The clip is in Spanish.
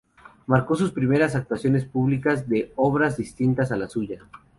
Marcó sus primeras actuaciones públicas de obras distintas a la suya.